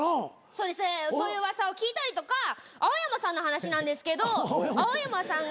そうですそういう噂を聞いたりとか青山さんの話なんですけど青山さんが。